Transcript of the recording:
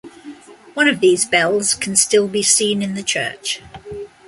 One of these bells can still be seen in the church.